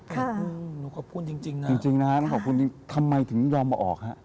ค่ะจริงนะครับทำไมถึงยอมมาออก